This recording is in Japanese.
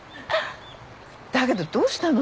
だけどどうしたの？